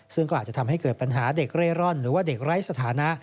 ซึ่งก็อาจจะทำให้เกิดปัญหาเด็กเร่ร่อนหรือว่าเด็กไร้สถานะ